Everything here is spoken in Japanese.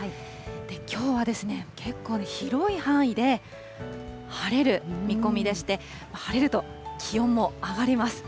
きょうは結構広い範囲で晴れる見込みでして、晴れると気温も上がります。